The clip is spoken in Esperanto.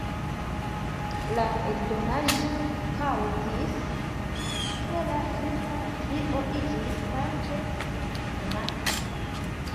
La eldonaĵo kaŭzis, ke la tuta trio iĝis vaste konata.